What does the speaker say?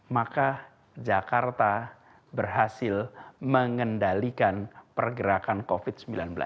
maka jakarta berhasil mengendalikan pergerakan covid sembilan belas